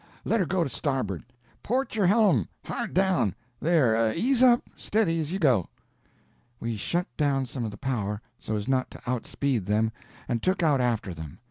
Let her go to starboard!—Port your hellum! Hard down! There—ease up—steady, as you go." We shut down some of the power, so as not to outspeed them, and took out after them.